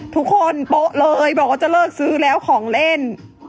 โป๊ะเลยบอกว่าจะเลิกซื้อแล้วของเล่น